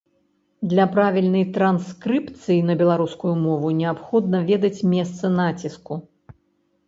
Для правільнай транскрыпцыі на беларускую мову неабходна ведаць месца націску.